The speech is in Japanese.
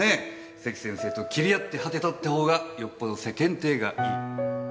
関先生と斬り合って果てたってほうがよっぽど世間体がいい。